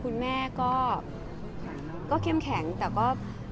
คุณแม่ก็เข้มแข็งแต่ก็